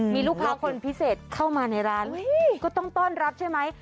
มีลูกค้าคนพิเศษเข้ามาในร้านก็ต้องต้อนรับใช่ไหม